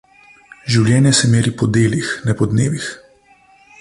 Življenje se meri po delih, ne po dnevih.